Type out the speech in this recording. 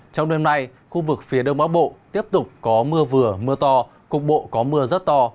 trong đêm nay khu vực phía đông bắc bộ tiếp tục có mưa vừa mưa to cục bộ có mưa rất to